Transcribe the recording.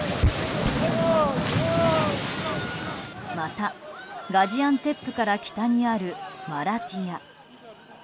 またガジアンテップから北にあるマラティヤ。